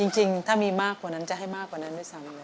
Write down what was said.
จริงถ้ามีมากกว่านั้นจะให้มากกว่านั้นด้วยซ้ำ